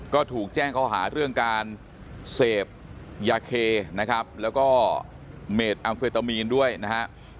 ก็ถูกแจ้งเขาหาเรื่องการเสพยาเคนะครับแล้วก็เมดแอมเฟตามีนด้วยนะฮะ